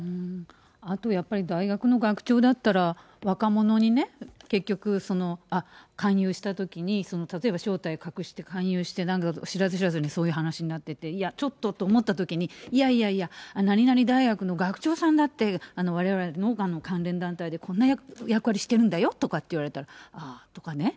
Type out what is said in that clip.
あとやっぱり、大学の学長だったら、若者にね、結局、勧誘したときに、例えば正体を隠して勧誘して、なんか知らず知らずにそういう話になってて、いや、ちょっとって思ったときに、いやいやいや、何々大学の学長さんだって、われわれ目下の関連団体でこんな役割してるんだよっていわれたら、あー、とかね。